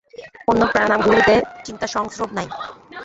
অন্য প্রাণায়ামগুলিতে চিন্তার সংস্রব নাই।